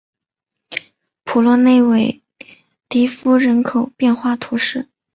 普洛内韦迪福人口变化图示